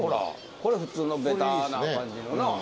これ普通のべたな感じのな。